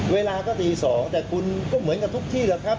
เวลาก็ตี๒แต่คุณก็เหมือนกับทุกที่แหละครับ